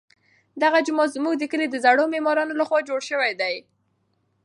دغه جومات زموږ د کلي د زړو معمارانو لخوا جوړ شوی.